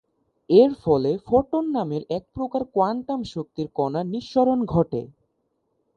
এর ফলে ফোটন নামের একপ্রকার কোয়ান্টাম শক্তি কণার নিঃসরণ ঘটে।